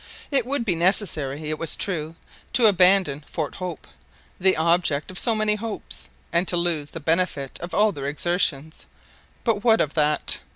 It would be necessary, it was true, to abandon Fort Hope—the object of so many hopes, and to lose the benefit of all their exertions, but what of that?